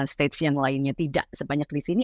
stage yang lainnya tidak sebanyak di sini